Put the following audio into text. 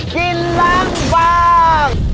กินล้างบาง